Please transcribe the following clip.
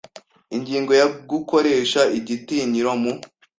Ingingo ya Gukoresha igitinyiro mu